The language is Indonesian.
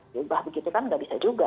diubah begitu kan nggak bisa juga